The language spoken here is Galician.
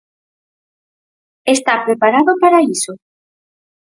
Está preparado para iso.